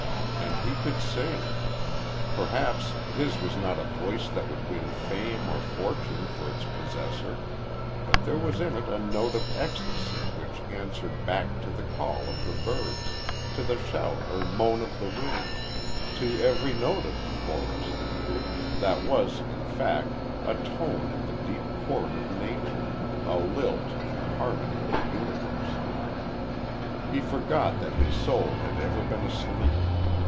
And he could sing. Perhaps his was not a voice that would win fame or fortune for its possessor, but there was in it a note of ecstasy which answered back to the call of the birds, to the shout or moan of the wind, to every note of the forest that was, in fact, a tone in the deep chord of nature, a lilt in the harmony of the universe. He forgot that his soul had ever been asleep.